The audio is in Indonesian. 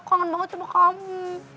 kangen banget tuh pokoknya